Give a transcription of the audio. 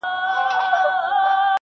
• یوه ورځ به یې بېغمه له غپا سو -